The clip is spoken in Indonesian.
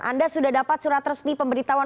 anda sudah dapat surat resmi pemberitahuan